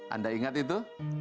anda ingat itu